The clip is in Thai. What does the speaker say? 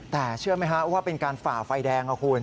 แต่เชื่อไหมฮะว่าเป็นการฝ่าไฟแดงนะคุณ